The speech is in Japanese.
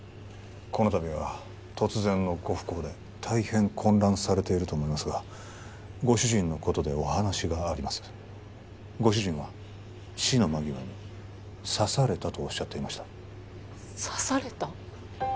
この度は突然のご不幸で大変混乱されていると思いますがご主人のことでお話がありますご主人は死の間際に「刺された」とおっしゃっていました刺された？